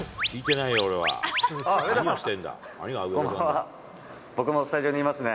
上田さん、僕もスタジオにいますね。